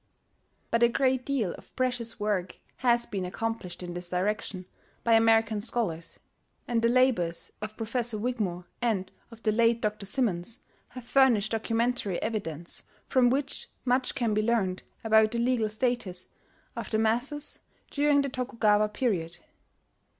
But a great deal of precious work has been accomplished in this direction by American scholars; and the labours of Professor Wigmore and of the late Dr. Simmons have furnished documentary evidence from which much can be learned about the legal status of the masses during the Tokugawa period.